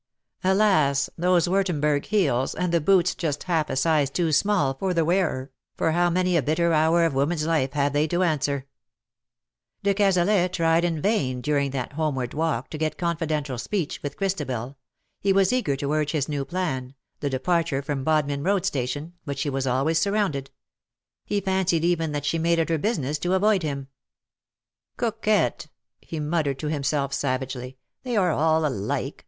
Alas ! those Wurtemburg heels, and the boots just half a size too small for the wearer, for how many a bitter hour of woman's life have they to answer ! De Cazalet tried in vain during that homeward walk to get confidential speech with Christabel — he was eager to urge his new plan — the departure from Bodmin Road Station — but she was always sur rounded. He fancied even that she made it her business to avoid him. " Coquette,^' he muttered to himself savagely. ^' They are all alike.